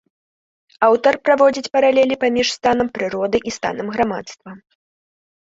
Аўтар праводзіць паралелі паміж станам прыроды і станам грамадства.